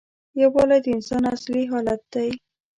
یووالی د انسان اصلي حالت دی.